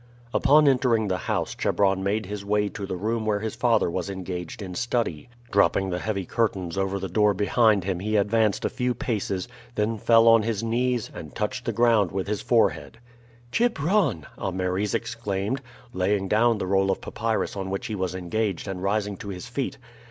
Upon entering the house Chebron made his way to the room where his father was engaged in study. Dropping the heavy curtains over the door behind him he advanced a few paces, then fell on his knees, and touched the ground with his forehead. "Chebron!" Ameres exclaimed, laying down the roll of papyrus on which he was engaged and rising to his feet.